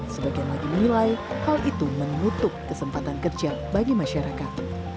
sebagian lagi menilai hal itu menutup kesempatan kerja bagi masyarakat